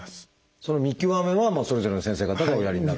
その見極めはそれぞれの先生方がおやりになる？